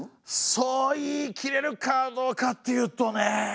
そう言い切れるかどうかっていうとねえ。